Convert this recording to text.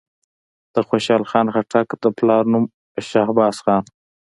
د خوشحال خان خټک د پلار نوم شهباز خان وو.